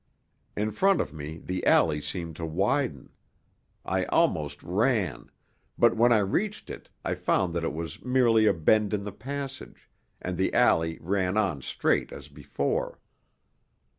In front of me the alley seemed to widen. I almost ran; but when I reached it I found that it was merely a bend in the passage, and the alley ran on straight as before.